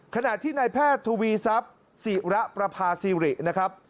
ขณะที่นายแพทย์ทูวีซับศิรประภาษีรินะครับ